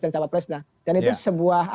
dan capres dan itu sebuah